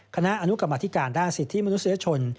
คณะอนุกรรมธิการด้านสิทธิมนุษยชน